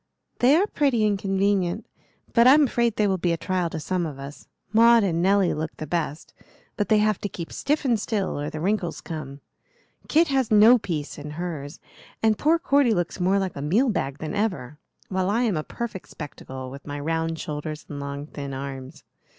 "They are pretty and convenient, but I'm afraid they will be a trial to some of us. Maud and Nelly look the best, but they have to keep stiff and still, or the wrinkles come. Kit has no peace in hers, and poor Cordy looks more like a meal bag than ever, while I am a perfect spectacle, with my round shoulders and long thin arms.